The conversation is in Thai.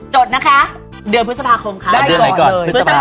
จดนะคะเดือนพฤษภาคมค่ะได้ค่ะเดือนไหนก่อน